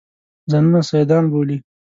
ځانونه سیدان بولي.